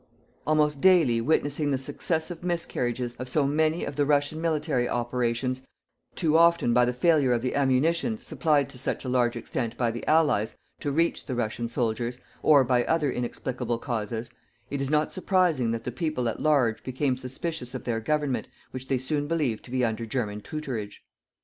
Almost daily witnessing the successive miscarriages of so many of the Russian military operations, too often by the failure of the ammunitions, supplied to such a large extent by the Allies, to reach the Russian soldiers, or by other inexplicable causes, it is not surprising that the people at large became suspicious of their government which they soon believed to be under German tutorage.